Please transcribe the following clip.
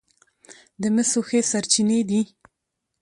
د مسو ښې سرچینې دي.